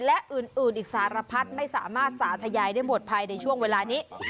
และอื่นอีกสารพัดไม่สามารถสาธยายได้หมดภายในช่วงเวลานี้